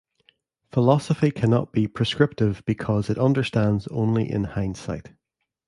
Philosophy cannot be prescriptive because it understands only in hindsight.